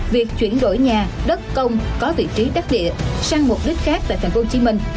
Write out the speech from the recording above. việc chuyển đổi nhà đất công có vị trí đắc địa sang mục đích khác tại tp hcm